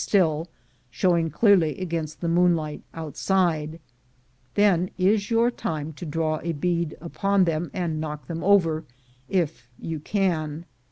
MINERS' LAW 159 showing clearly against the moonlight outside; then is your time to draw a bead upon them and knock them over — if you can.